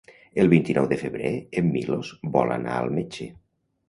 El vint-i-nou de febrer en Milos vol anar al metge.